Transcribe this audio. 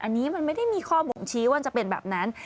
อันนี้มันไม่ได้มีข้อบ่งชี้ว่าจะเป็นแบบนั้น